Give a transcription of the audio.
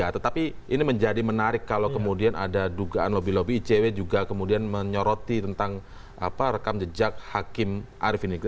tetapi ini menjadi menarik kalau kemudian ada dugaan lobby lobby icw juga kemudian menyoroti tentang rekam jejak hakim arief ini